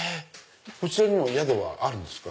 こちらにも宿があるんですか？